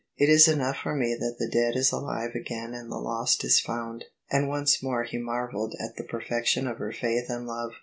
" It is enough for me that the dead is alive again and the lost is found." And once more he marvelled at the perfection of her faith and love.